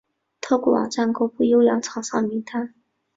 透过网站公布优良厂商名单